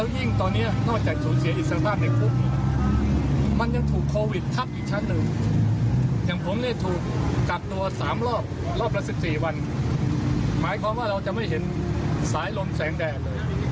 หมายความว่าเราจะไม่เห็นสายลมแสงแดดเลย